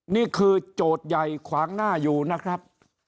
โจทย์ใหญ่ขวางหน้าอยู่นะครับ